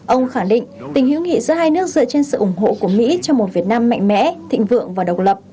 ông khẳng định tình hữu nghị giữa hai nước dựa trên sự ủng hộ của mỹ cho một việt nam mạnh mẽ thịnh vượng và độc lập